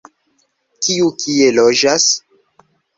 Kiu kie loĝas?